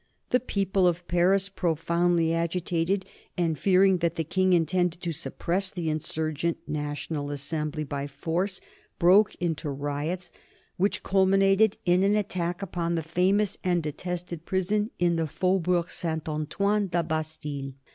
The people of Paris, profoundly agitated, and fearing that the King intended to suppress the insurgent National Assembly by force, broke out into riots, which culminated in an attack upon the famous and detested prison in the Faubourg St. Antoine, the Bastille.